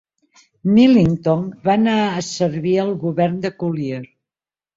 Millington va anar a servir al Govern de Collier.